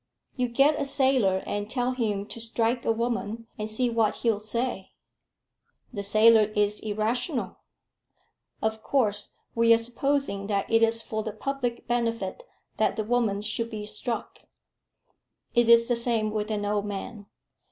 "You get a sailor, and tell him to strike a woman, and see what he'll say." "The sailor is irrational. Of course, we are supposing that it is for the public benefit that the woman should be struck. It is the same with an old man.